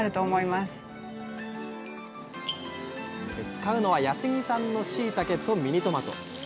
使うのは安来産のしいたけとミニトマト。